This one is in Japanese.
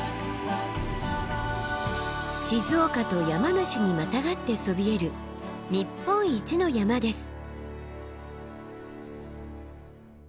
静岡と山梨にまたがってそびえる日本一の山です。